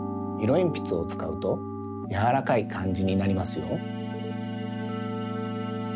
えんぴつをつかうとやわらかいかんじになりますよ。